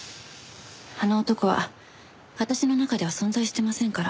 あの男は私の中では存在してませんから。